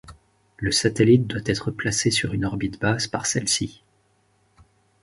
Le satellite doit être placé sur une orbite basse par celle-ci.